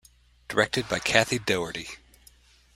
Directed by Kathy Daugherty.